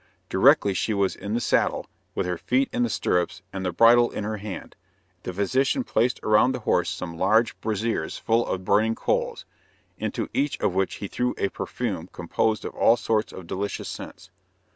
Directly she was in the saddle, with her feet in the stirrups and the bridle in her hand, the physician placed around the horse some large braziers full of burning coals, into each of which he threw a perfume composed of all sorts of delicious scents.